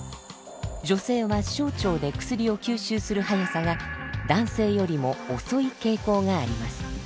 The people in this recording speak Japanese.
女性は小腸で薬を吸収する速さが男性よりも遅い傾向があります。